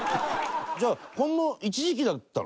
じゃあほんの一時期だったの？